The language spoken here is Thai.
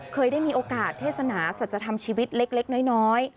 เคยได้มีโอกาสเทศนาสัจธรรมชีวิตเล็กน้อย